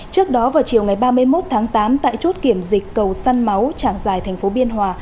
trước đó vào chiều ngày ba mươi một tháng tám tại chốt kiểm dịch cầu săn máu trảng dài thành phố biên hòa